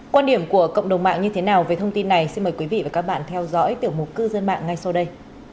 quan điểm của cộng đồng mạng như thế nào về thông tin này xin mời quý vị và các bạn theo dõi tiểu mục cư dân mạng ngay sau đây